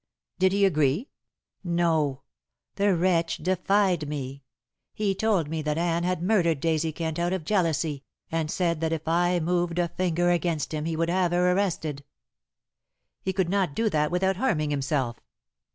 "Did he agree?" "No; the wretch defied me. He told me that Anne had murdered Daisy Kent out of jealousy, and said that if I moved a finger against him he would have her arrested." "He could not do that without harming himself."